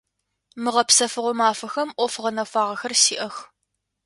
Мы гъэпсэфыгъо мафэхэм ӏоф гъэнэфагъэхэр сиӏэх.